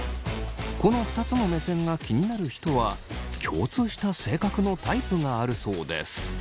この２つの目線が気になる人は共通した性格のタイプがあるそうです。